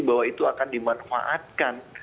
bahwa itu akan dimanfaatkan